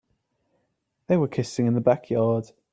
They were kissing in the backyard.